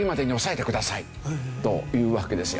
というわけですよ。